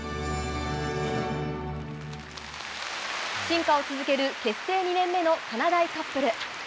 進化を続ける結成２年目のかなだいカップル。